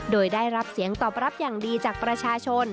โดยได้รับเสียงตอบรับอย่างดีจากประชาชน